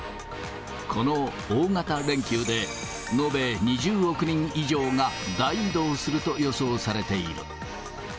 この大型連休で、延べ２０億人以上が大移動すると予想されている。